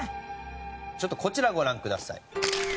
ちょっとこちらをご覧ください。